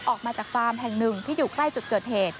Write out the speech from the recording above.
ออกมาจากฟาร์มแห่งหนึ่งที่อยู่ใกล้จุดเกิดเหตุ